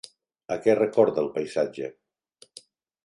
A què recorda el paisatge?